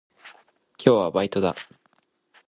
今日はバイトだ。